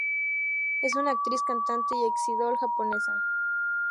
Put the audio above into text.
Es una actriz, cantante y ex-idol japonesa.